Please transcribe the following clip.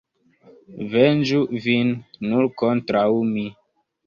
Venĝu vin nur kontraŭ mi.